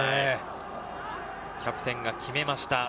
キャプテンが決めました。